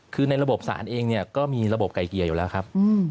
คือในระบบสารเองเนี่ยก็มีระบบไกลเกลี่ยอยู่แล้วครับ